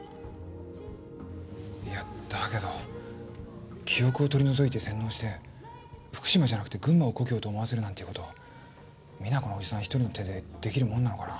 いやだけど記憶を取り除いて洗脳して福島じゃなくて群馬を故郷と思わせるなんていうこと実那子の伯父さん１人の手でできるもんなのかな？